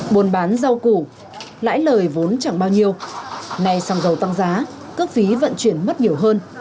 buồn bán rau củ lãi lời vốn chẳng bao nhiêu này sang giàu tăng giá cước phí vận chuyển mất nhiều hơn